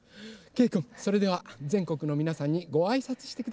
けいくんそれではぜんこくのみなさんにごあいさつしてください。